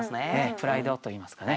プライドといいますかね。